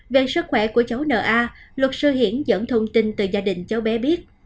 về sức khỏe của cháu n a luật sư hiển dẫn thông tin từ gia đình cháu bé biết